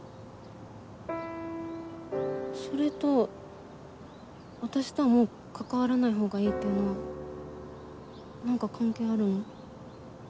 それと私とはもう関わらないほうがいいっていうのは何か関係あるの？